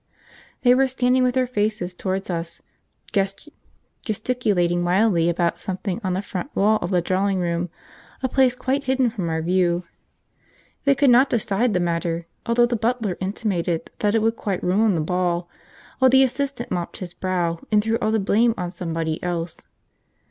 They were standing with their faces towards us, gesticulating wildly about something on the front wall of the drawing room; a place quite hidden from our view. They could not decide the matter, although the butler intimated that it would quite ruin the ball, while the assistant mopped his brow and threw all the blame on somebody else.